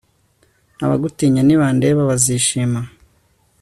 abagutinya nibandeba, bazishima